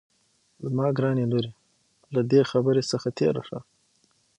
زما ګرانې لورې له دې خبرې څخه تېره شه